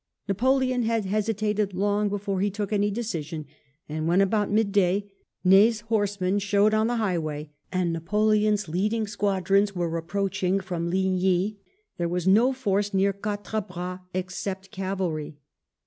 Napoleon had hesitated long before he took any decision; and when about mid day Ne/s horsemen showed on the highway and Napoleon's leading squadrons were approaching from Ligny, there was no force near Quatre Bras except cavalry.